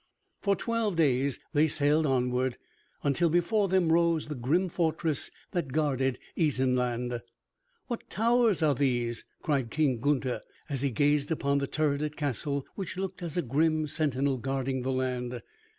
For twelve days they sailed onward, until before them rose the grim fortress that guarded Isenland. "What towers are these?" cried King Gunther, as he gazed upon the turreted castle which looked as a grim sentinel guarding the land.